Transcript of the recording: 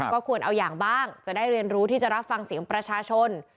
ก็ควรเอาอย่างบ้างจะได้เรียนรู้ที่จะรับฟังเสียงประชาชน